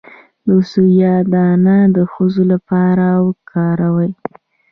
د سویا دانه د ښځو لپاره وکاروئ